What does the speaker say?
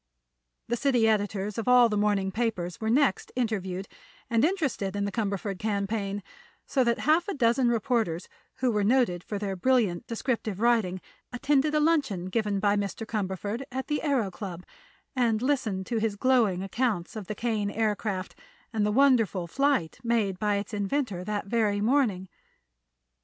The city editors of all the morning papers were next interviewed and interested in the Cumberford campaign, so that half a dozen reporters who were noted for their brilliant descriptive writing attended a luncheon given by Mr. Cumberford at the Aëro Club and listened to his glowing accounts of the Kane Aircraft and the wonderful flight made by its inventor that very morning.